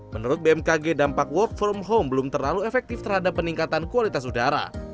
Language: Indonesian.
menurut bmkg dampak work from home belum terlalu efektif terhadap peningkatan kualitas udara